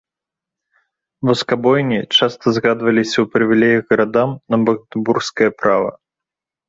Васкабойні часта згадваліся ў прывілеях гарадам на магдэбургскае права.